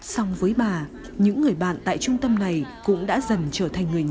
xong với bà những người bạn tại trung tâm này cũng đã dần trở thành người nhà người thân